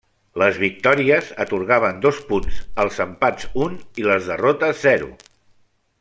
Les victòries atorgaven dos punts, els empats un i les derrotes zero.